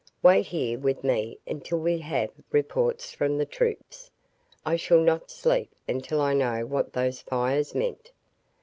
Wait here with me until we have reports from the troops. I shall not sleep until I know what those fires meant.